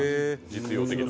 実用的な。